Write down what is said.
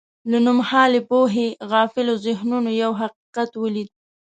له نومهالې پوهې غافلو ذهنونو یو حقیقت ولید.